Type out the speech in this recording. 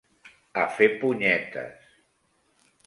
A fer punyetes!